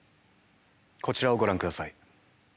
こちらをご覧ください。